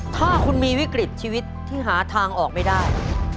ถ้าคุณมีวิกฤตชีวิตที่หาทางออกไม่ได้